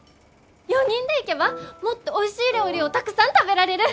４人で行けばもっとおいしい料理をたくさん食べられる！